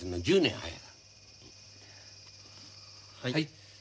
はい。